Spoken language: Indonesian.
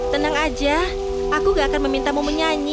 tenang aja aku gak akan memintamu menyanyi